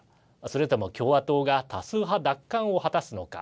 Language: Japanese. それとも共和党が多数派奪還を果たすのか。